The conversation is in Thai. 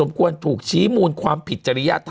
มันติดคุกออกไปออกมาได้สองเดือน